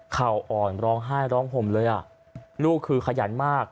อ่อนร้องไห้ร้องห่มเลยอ่ะลูกคือขยันมาก